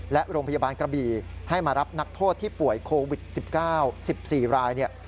และโรงพยาบาลกระบี่ให้มารับนักโทษที่ป่วยโควิด๑๙๑๔ราย